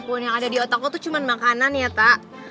woh yang ada di otak lo tuh cuma makanan ya tak